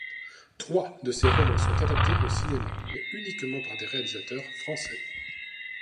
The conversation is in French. Trois de ses romans sont adaptés au cinéma, mais uniquement par des réalisateurs français.